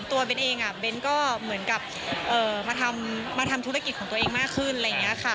เบ้นเองเบ้นก็เหมือนกับมาทำธุรกิจของตัวเองมากขึ้นอะไรอย่างนี้ค่ะ